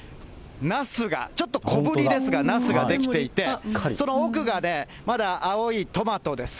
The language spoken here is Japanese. ナスがちょっと小ぶりですが、ナスが出来ていて、その奥がね、まだ青いトマトです。